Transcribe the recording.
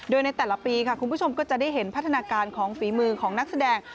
โดยในแต่ละปีค่ะคุณผู้ชมก็จะได้เห็นพัฒนาการของฝีมือของนักแสดง